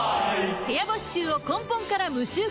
部屋干し臭を根本から無臭化